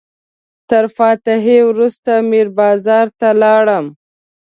تر فاتحې وروسته میر بازار ته لاړم.